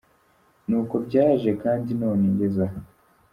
Ni uko byaje kandi none ngeze aha.